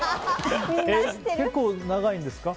結構長いんですか？